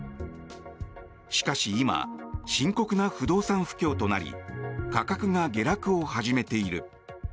しかし、今深刻な不動産不況となり価格が下落を始めている。